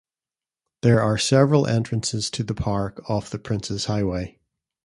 There are several entrances to the park off the Princes Highway.